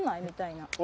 みたいな。